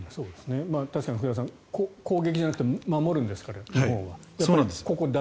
確かに福田さん攻撃じゃなくて守るんですから日本は。